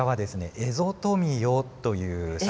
エゾトミヨという魚。